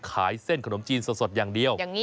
ขายเส้นขนมจีนสดอย่างเดียว